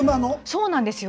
そうなんですよ。